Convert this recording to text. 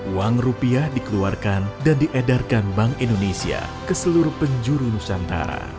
uang rupiah dikeluarkan dan diedarkan bank indonesia ke seluruh penjuru nusantara